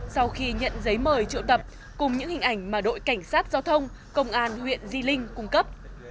sau khi nhận giấy mời triệu tập cùng những hình ảnh mà đội cảnh sát giao thông công an huyện di linh cung cấp